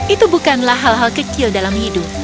itu bukanlah hal hal kecil dalam hidup